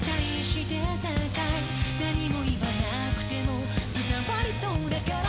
「何も言わなくても伝わりそうだから」